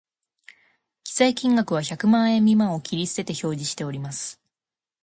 記載金額は百万円未満を切り捨てて表示しております